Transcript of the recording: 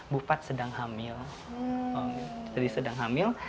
bu fat sedang hamil